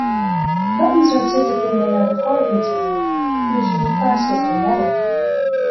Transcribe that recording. Buttons are typically made out of hard material, usually plastic or metal.